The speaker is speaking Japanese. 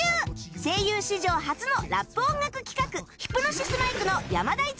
声優史上初のラップ音楽企画『ヒプノシスマイク』の山田一郎役